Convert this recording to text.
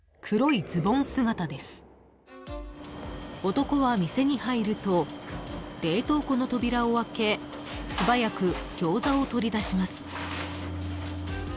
［男は店に入ると冷凍庫の扉を開け素早く餃子を取り出します］